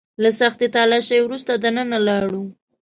له سختې تلاشۍ وروسته دننه لاړو.